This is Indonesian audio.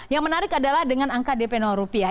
yang menarik adalah dengan angka dp rupiah